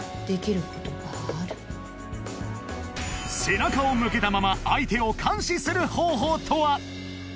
背中を向けたまま相手を監視する方法とは？